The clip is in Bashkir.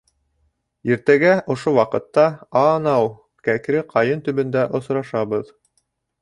Иртәгә ошо ваҡытта а-а-анау кәкре ҡайын төбондә осрашабыҙ!